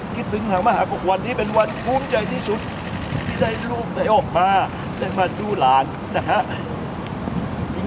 คิดถึงหากมหากกกว่านี้เป็นวันภูมิใจที่สุดที่ได้ลูกไปออกมาอิฟทุรกิจ